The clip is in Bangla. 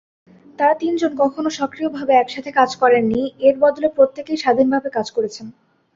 তারা তিনজন কখনও সক্রিয়ভাবে একসাথে কাজ করেননি, এর বদলে প্রত্যেকেই স্বাধীনভাবে কাজ করেছেন।